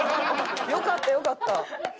よかったよかった。